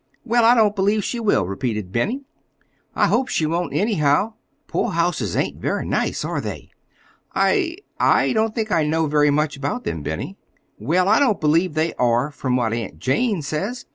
"Well, I don't believe she will," repeated Benny. "I hope she won't, anyhow. Poorhouses ain't very nice, are they?" "I—I don't think I know very much about them, Benny." "Well, I don't believe they are, from what Aunt Jane says.